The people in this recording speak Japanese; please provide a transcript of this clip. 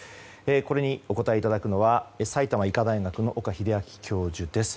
これにお答えいただくのは埼玉医科大学の岡秀昭教授です。